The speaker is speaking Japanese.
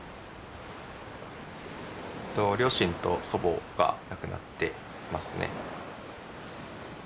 両親と祖母が亡くなってますね。